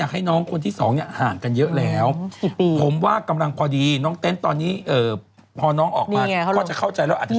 สองแล้วนี่คืออุ้นต้าสาว